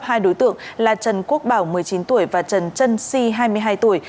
hai đối tượng là trần quốc bảo một mươi chín tuổi và trần trân si hai mươi hai tuổi